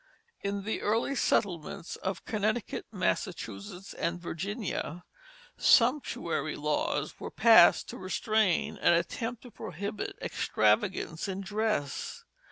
In the early settlements of Connecticut, Massachusetts, and Virginia, sumptuary laws were passed to restrain and attempt to prohibit extravagance in dress.